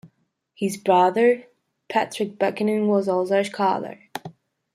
His brother, Patrick Buchanan, was also a scholar.